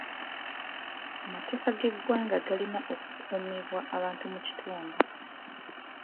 Amateeka g'eggwanga galina okukuumibwa abantu mu kitundu.